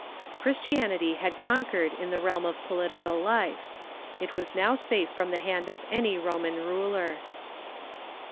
Christianity had conquered in the realm of political life. It was now safe from the hand of any Roman ruler.